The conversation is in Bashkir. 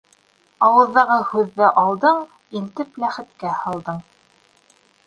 Ауыҙҙағы һүҙҙе алдың, илтеп ләхеткә һалдың.